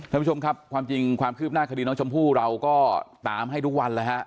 ท่านผู้ชมครับความจริงความคืบหน้าคดีน้องชมพู่เราก็ตามให้ทุกวันแล้วฮะ